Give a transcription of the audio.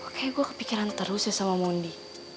kayaknya gue kepikiran terus ya sama mondi